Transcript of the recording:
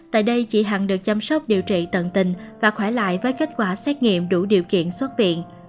tại đây chị hằng được chăm sóc điều trị tận tình và khỏe lại với kết quả xét nghiệm đủ điều kiện xuất viện